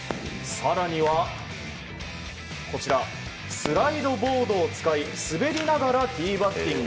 更には、こちらスライドボードを使い滑りながらティーバッティング。